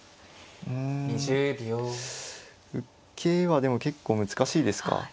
うん受けはでも結構難しいですか。